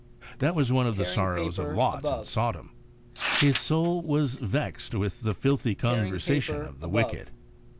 That was one of the sorrows of Lot in Sodom. His soul was ' vexed with the filthy conversation of the wicked.